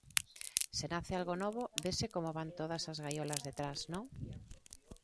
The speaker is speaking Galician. Se nace algo novo, vese como van todas as gaiolas detrás, non?